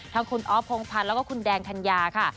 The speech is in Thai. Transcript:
ทั้งคุณอ๊อฟพงพันธ์แล้วก็คุณแดงธัญญาค่ะ